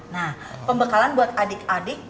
nah pembekalan buat adik adik